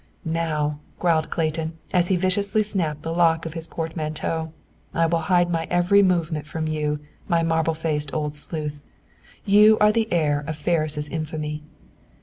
"Now," growled Clayton, as he viciously snapped the lock of his portmanteau. "I will hide my every movement from you, my marble faced old sleuth. You are the heir of Ferris' infamy."